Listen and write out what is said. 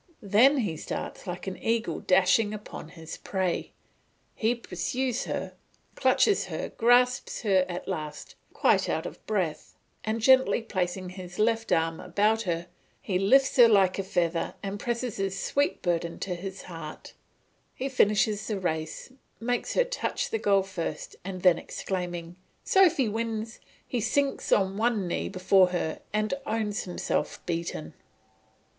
Then he starts like an eagle dashing upon its prey; he pursues her, clutches her, grasps her at last quite out of breath, and gently placing his left arm about her, he lifts her like a feather, and pressing his sweet burden to his heart, he finishes the race, makes her touch the goal first, and then exclaiming, "Sophy wins!" he sinks on one knee before her and owns himself beaten.